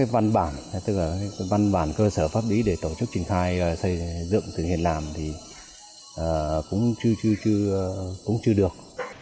văn bản cơ sở pháp lý để tổ chức trình thai xây dựng thực hiện làm thì cũng chưa được